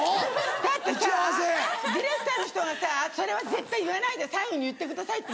だってさディレクターの人がさそれは絶対言わないで最後に言ってくださいって。